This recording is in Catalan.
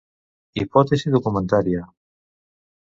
Hipòtesi documentària.